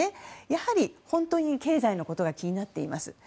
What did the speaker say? やはり本当に経済のことが気になっています。